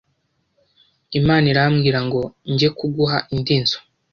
Imana irambwira ngo njye kuguha indi nzu